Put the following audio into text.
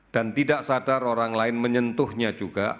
dan tidak sadar orang lain menyentuhnya juga